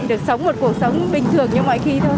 được sống một cuộc sống bình thường như mọi khi thôi